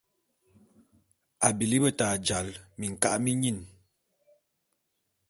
A bili beta jal minka’a minyin.